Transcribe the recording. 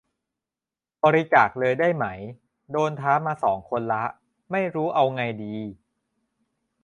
บริจาคเลยได้ไหม โดนท้ามาสองคนละ ไม่รู้เอาไงดี